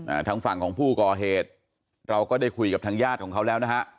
ทางฝั่งของผู้ก่อเหตุเราก็ได้คุยกับทางญาติของเขาแล้วนะฮะ